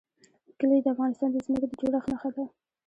کلي د افغانستان د ځمکې د جوړښت نښه ده.